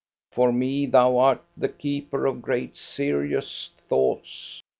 For me thou art the keeper of great, serious thoughts.